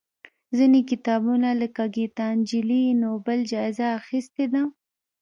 ځینې کتابونه لکه ګیتا نجلي یې نوبل جایزه اخېستې ده.